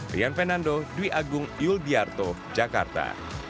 rian fernando dwi agung yul diyarto jakarta